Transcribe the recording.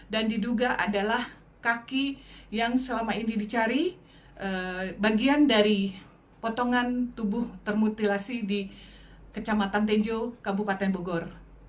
dan diduga adalah kaki yang selama ini dicari bagian dari potongan tubuh termutilasi di kecamatan tenjo kabupaten bogor